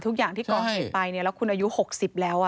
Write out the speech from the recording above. ทุกอย่างที่ก่อเหตุไปแล้วคุณอายุ๖๐แล้ว